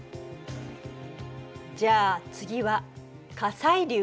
じゃあ次は火砕流。